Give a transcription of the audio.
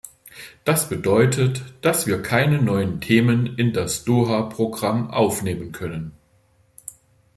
Das bedeutet, dass wir keine neuen Themen in das Doha-Programm aufnehmen können.